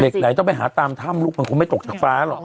ไหนต้องไปหาตามถ้ำลูกมันคงไม่ตกจากฟ้าหรอก